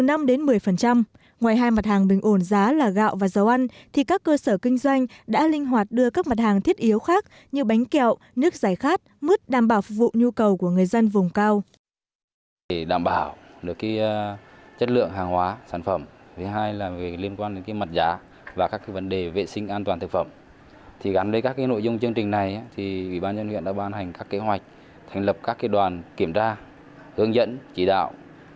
ngoài hai mặt hàng bình ổn giá là gạo và dầu ăn thì các cơ sở kinh doanh đã linh hoạt đưa các mặt hàng thiết yếu khác như bánh kẹo nước giải khát mứt đảm bảo phục vụ nhu cầu của người dân vùng cao